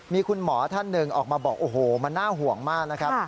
มีคุณหมอท่านหนึ่งออกมาบอกโอ้โหมันน่าห่วงมากนะครับ